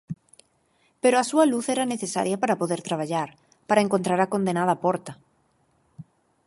Pero a súa luz era necesaria para poder traballar, para encontrar a condenada porta.